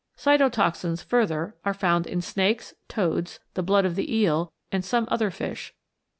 Cytotoxins, further, are found in snakes, toads, the blood of the eel and some other fish.